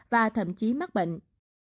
và thậm chí mắc bệnh